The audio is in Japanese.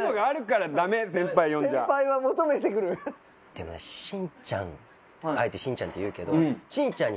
でもねしんちゃんあえてしんちゃんって言うけど。